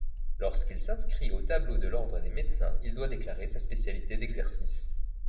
Lorsqu'il s'inscrit au tableau de l'Ordre des médecins il doit déclarer sa spécialité d'exercice.